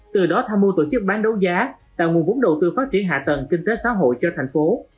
từ đó tham mưu tổ chức bán đấu giá tạo nguồn vốn đầu tư phát triển hạ tầng kinh tế xã hội cho thành phố